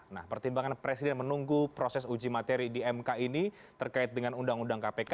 nah pertimbangan presiden menunggu proses uji materi di mk ini terkait dengan undang undang kpk